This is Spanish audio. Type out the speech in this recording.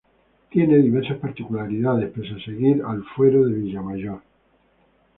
Tiene diversas particularidades, pese a seguir al Fuero de Villamayor.